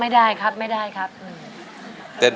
เพลงนี้ที่๕หมื่นบาทแล้วน้องแคน